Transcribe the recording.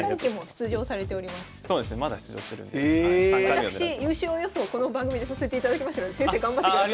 私優勝予想この番組でさせていただきましたので先生頑張ってください。